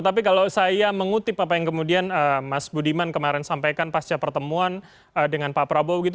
tapi kalau saya mengutip apa yang kemudian mas budiman kemarin sampaikan pasca pertemuan dengan pak prabowo gitu